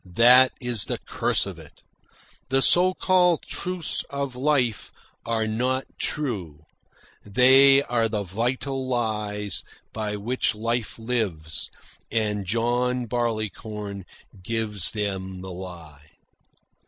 That is the curse of it. The so called truths of life are not true. They are the vital lies by which life lives, and John Barleycorn gives them the lie."